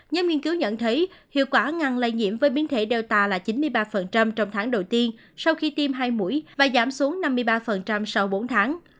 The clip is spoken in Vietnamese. nhóm nghiên cứu nhận thấy hiệu quả ngăn lây nhiễm với biến thể data là chín mươi ba trong tháng đầu tiên sau khi tiêm hai mũi và giảm xuống năm mươi ba sau bốn tháng